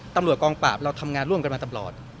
ตำรวจกองปราบเราทำงานร่วมกันมาตลอด